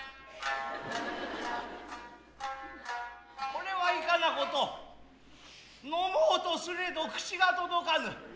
是れはいかな事呑もうとすれど口が届かぬ。